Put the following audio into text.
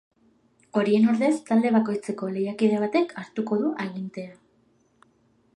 Horien ordez, talde bakoitzeko lehiakide batek hartuko du agintea.